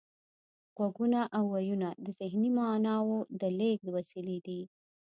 غږونه او وییونه د ذهني معناوو د لیږد وسیلې دي